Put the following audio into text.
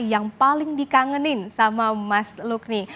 yang paling dikangenin sama mas lukni